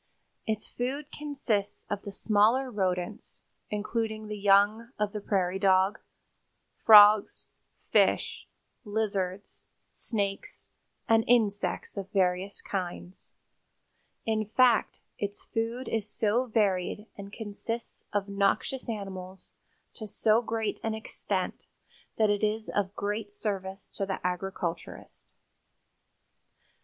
Its food consists of the smaller rodents, including the young of the prairie dog, frogs, fish, lizards, snakes and insects of various kinds. In fact, its food is so varied and consists of noxious animals to so great an extent that it is of great service to the agriculturist. Dr.